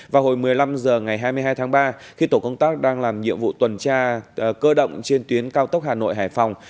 vào hồi một mươi năm h ngày hai mươi hai tháng ba khi tổ công tác đang làm nhiệm vụ tuần tra cơ động trên tuyến cao tốc hà nội hải phòng